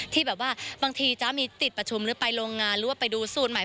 ที่แบบว่าบางทีจ๊ะมีติดประชุมหรือไปโรงงานหรือว่าไปดูสูตรใหม่